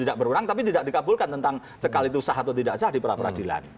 tidak berwenang tapi tidak dikabulkan tentang cekal itu sah atau tidak sah di peradilan